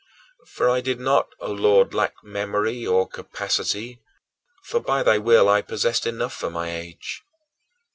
For I did not, O Lord, lack memory or capacity, for, by thy will, I possessed enough for my age.